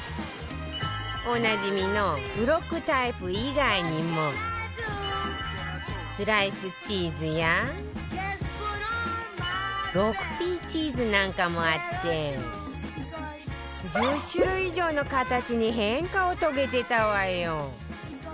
おなじみのブロックタイプ以外にもスライスチーズや ６Ｐ チーズなんかもあって１０種類以上の形に変化を遂げてたわよ